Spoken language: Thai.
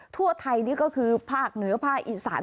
ทั่วไทยนี่ก็คือภาคเหนือภาคอีสาน